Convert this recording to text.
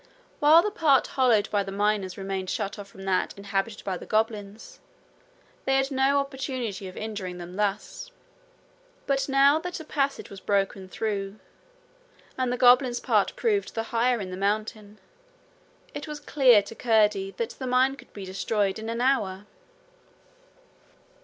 While the part hollowed by the miners remained shut off from that inhabited by the goblins, they had had no opportunity of injuring them thus; but now that a passage was broken through, and the goblins' part proved the higher in the mountain, it was clear to Curdie that the mine could be destroyed in an hour.